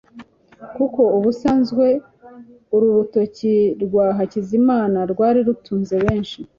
kuko ubusanzwe uru rutoki rwa Hakizimana rwari rutunze benshi